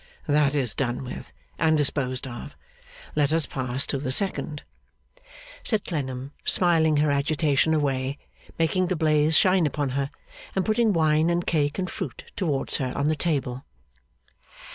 That is done with, and disposed of. Let us pass to the second,' said Clennam, smiling her agitation away, making the blaze shine upon her, and putting wine and cake and fruit towards her on the table.